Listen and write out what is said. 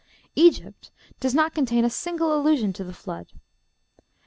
Egypt does not contain a single allusion to the Flood.